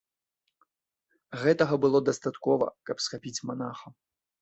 Гэтага было дастаткова, каб схапіць манаха.